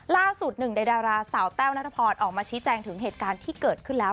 ล่าสุดหนึ่งในดาราสาวแต้วนัทพรออกมาชี้แจงถึงเหตุการณ์ที่เกิดขึ้นแล้ว